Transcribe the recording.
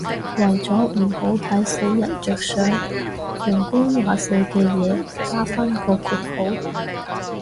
為咗唔好睇死人着想，用官話寫嘅嘢加返個括號